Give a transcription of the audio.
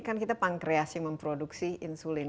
kan kita pankreas yang memproduksi insulin